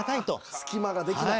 隙間ができない。